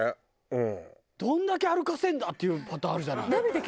どんだけ歩かせるんだっていうパターンあるじゃない。